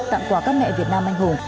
tặng quà các mẹ việt nam anh hùng